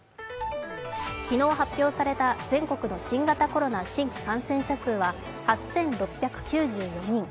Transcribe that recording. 昨日発表された全国の新型コロナ新規感染者数は８６９４人。